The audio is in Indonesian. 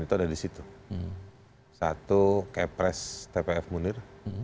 yang kedua terkait dengan peraturan yang diperlukan